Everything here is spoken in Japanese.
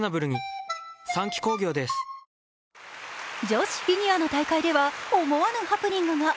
女子フィギュアの大会では思わぬハプニングが。